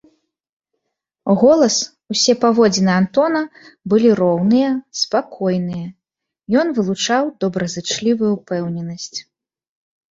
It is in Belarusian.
Голас, усе паводзіны Антона былі роўныя, спакойныя, ён вылучаў добразычлівую ўпэўненасць.